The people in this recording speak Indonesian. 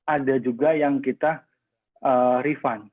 ada juga yang kita refund